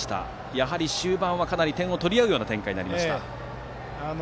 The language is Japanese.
やはり終盤はかなり点を取り合う展開になりました。